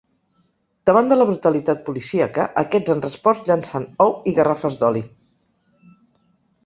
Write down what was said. Davant de la brutalitat policíaca, aquests han respost llançant ou i garrafes d’oli.